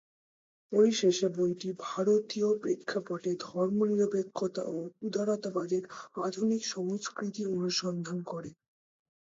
পরিশেষে, বইটি ভারতীয় প্রেক্ষাপটে ধর্মনিরপেক্ষতা ও উদারতাবাদের আধুনিক সংস্কৃতি অনুসন্ধান করে।